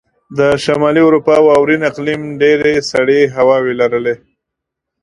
د شمالي اروپا واورین اقلیم ډېرې سړې هواوې لرلې.